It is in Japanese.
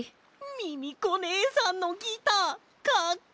ミミコねえさんのギターかっこいい！